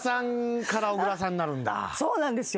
そうなんですよ。